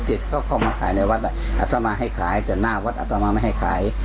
เสร็จก็เข้ามาขายในวัดอัตมาให้ขายแต่หน้าวัดอัตมาไม่ให้ขาย